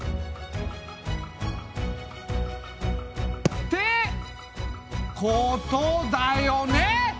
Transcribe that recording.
ってことだよね！